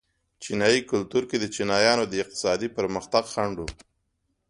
په چینايي کلتور کې د چینایانو د اقتصادي پرمختګ خنډ و.